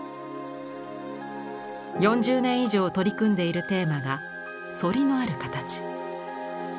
４０年以上取り組んでいるテーマが「そりのあるかたち」。